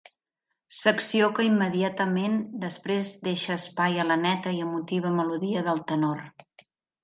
Secció que immediatament després deixa espai a la neta i emotiva melodia del tenor.